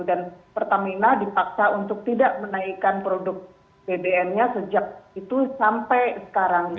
dan pertamina dipaksa untuk tidak menaikkan produk bbm nya sejak itu sampai sekarang